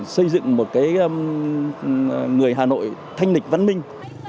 xây dựng một người hà nội thanh lịch văn minh